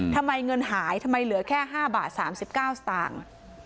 ทำไมเงินหายทำไมเหลือแค่๕บาท๓๙สตางค์